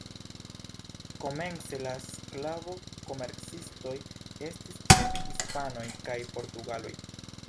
Komence la sklavo-komercistoj estis ĉefe hispanoj kaj portugaloj.